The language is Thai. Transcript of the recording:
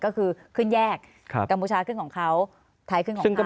ก็คือขึ้นแยกกัมพูชาขึ้นของเขาไทยขึ้นของเขา